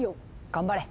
頑張れ！